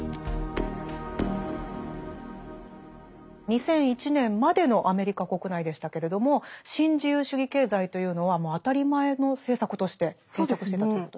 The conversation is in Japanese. ２００１年までのアメリカ国内でしたけれども新自由主義経済というのはもう当たり前の政策として定着してたということで？